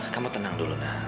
kamu tenang dulu nek